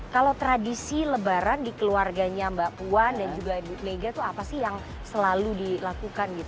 kalau tradisi lebaran di keluarganya mbak puan dan juga ibu mega itu apa sih yang selalu dilakukan gitu